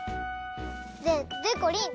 ででこりん！